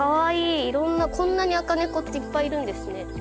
いろんなこんなに赤猫っていっぱいいるんですね。